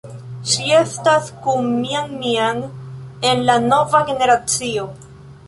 Ŝi estas kun Mian Mian en la "Nova generacio".